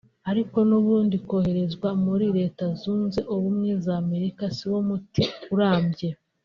ariko n’ubundi koherezwa muri Leta Zunze Ubumwe za Amerika si wo muti urambye